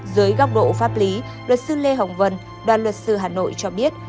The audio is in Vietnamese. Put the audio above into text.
dưới góc độ pháp lý luật sư lê hồng vân đoàn luật sư hà nội cho biết